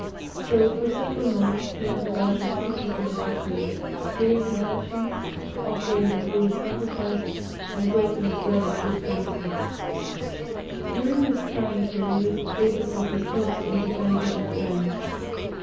So for several months he went about as secretly as he could, hearing confessions, offering the Holy Sacrifice, and breaking the bread of good counsel. During this trying period, Davis was his host and defender and friend.